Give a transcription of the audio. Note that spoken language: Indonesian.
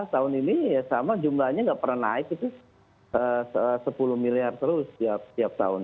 tahun ini ya sama jumlahnya nggak pernah naik itu sepuluh miliar terus tiap tahun